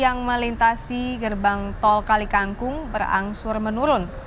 yang melintasi gerbang tol kalikangkung berangsur menurun